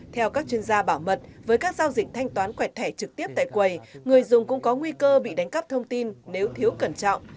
theo các chuyên gia bảo mật với các giao dịch thanh toán quẹt thẻ trực tiếp tại quầy người dùng cũng có nguy cơ bị đánh cắp thông tin nếu thiếu cẩn trọng